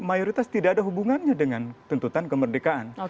mayoritas tidak ada hubungannya dengan tuntutan kemerdekaan